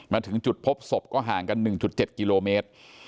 มาถึงจุดพบศพก็ห่างกัน๑๗กิโลเมตร